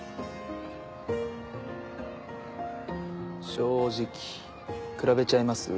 正直比べちゃいます？